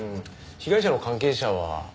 被害者の関係者は？